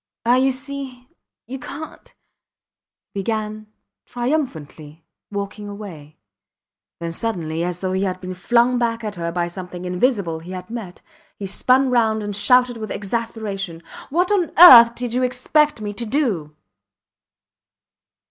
Ah! You see ... you cant ... he began, triumphantly, walking away; then suddenly, as though he had been flung back at her by something invisible he had met, he spun round and shouted with exasperation: What on earth did you expect me to do?